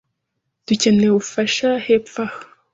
Dukeneye ubufasha hepfo aha.